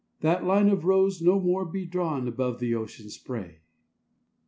That line of rose no more be drawn Above the ocean's spray!